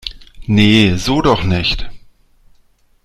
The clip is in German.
Nee, so doch nicht